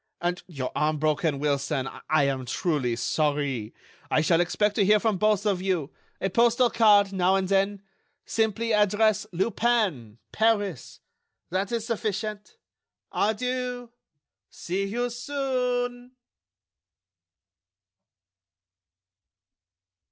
And your arm broken, Wilson.... I am truly sorry.... I shall expect to hear from both of you. A postal card, now and then, simply address: Lupin, Paris. That is sufficient.... Adieu.... See you soon."